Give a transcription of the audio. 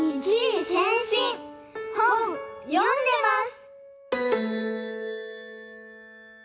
ほんよんでます。